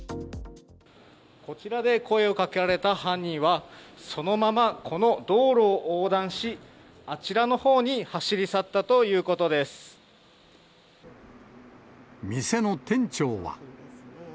こちらで声をかけられた犯人は、そのままこの道路を横断し、あちらのほうに走り去ったという店の店長は。